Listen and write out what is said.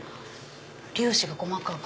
粒子が細かく。